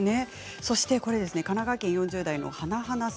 そして神奈川県４０代の方。